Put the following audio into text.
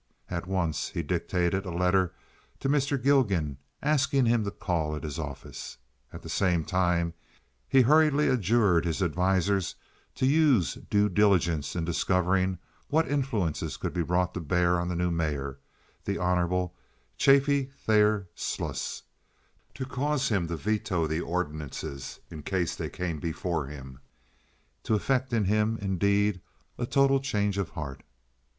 At once he dictated a letter to Mr. Gilgan asking him to call at his office. At the same time he hurriedly adjured his advisers to use due diligence in discovering what influences could be brought to bear on the new mayor, the honorable Chaffee Thayer Sluss, to cause him to veto the ordinances in case they came before him—to effect in him, indeed, a total change of heart.